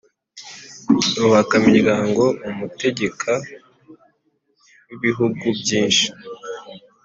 Ruhakamiryango: umutegeka w’ibihugu byishi